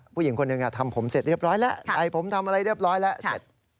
ผู้หญิงคนหนึ่งทำผมเสร็จเรียบร้อยแล้วใส่ผมทำอะไรเรียบร้อยแล้วเสร็จ